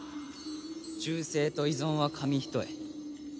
忠誠と依存は紙一重。